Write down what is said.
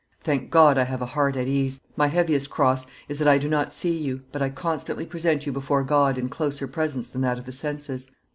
Thank God, I have a heart at ease; my heaviest cross is that I do not see you, but I constantly present you before God in closer presence than that of the senses.